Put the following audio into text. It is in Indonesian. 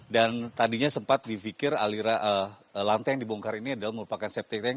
dan tadinya sempat dipikir lantai yang dibongkar ini adalah merupakan septic tank